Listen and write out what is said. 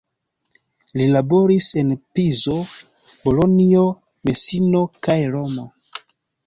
Li laboris en Pizo, Bolonjo, Mesino kaj Romo.